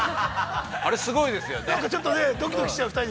あれ、すごいですよね。